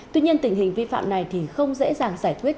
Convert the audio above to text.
tuy nhiên tình hình vi phạm này thì không dễ dàng giải quyết